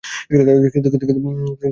কিন্তু তোর আছে।